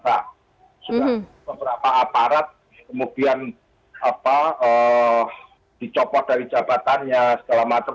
sudah beberapa aparat kemudian dicopot dari jabatannya setelah matang